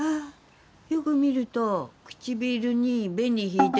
よく見ると唇に紅引いてっぞ！